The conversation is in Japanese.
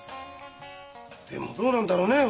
でもどうなんだろうねえ？